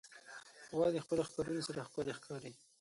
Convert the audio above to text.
غوا د خپلو ښکرونو سره ښکلي ښکاري.